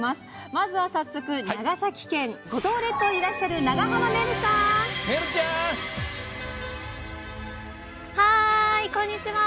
まずは早速長崎県五島列島にいらっしゃるこんにちは！